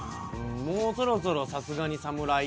もうそろそろさすがにサムライ。